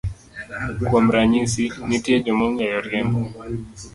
Kuom ranyisi, nitie joma ong'eyo riembo